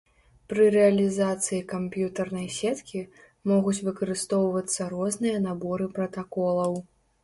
Пры рэалізацыі камп'ютарнай сеткі, могуць выкарыстоўвацца розныя наборы пратаколаў.